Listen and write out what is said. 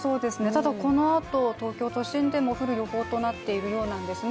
ただこのあと東京都心でも降る予報となっているようですね。